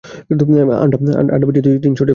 আন্ডা বেইচ্চা তিনশো টাহা দেনা দেছে মানষেরে।